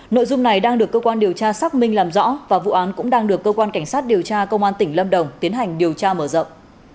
nội dung này đang được cơ quan điều tra xác minh làm rõ và vụ án cũng đang được cơ quan cảnh sát điều tra công an tỉnh lâm đồng tiến hành điều tra mở rộng